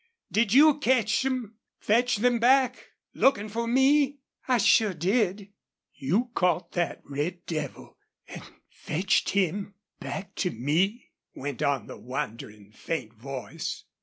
did you catch them fetch them back lookin' for me?" "I sure did." "You caught that red devil an' fetched him back to me?" went on the wondering, faint voice.